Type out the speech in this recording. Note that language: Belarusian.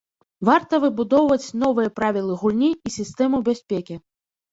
Варта выбудоўваць новыя правілы гульні і сістэму бяспекі.